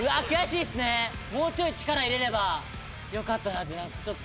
もうちょい力入れればよかったなってちょっと。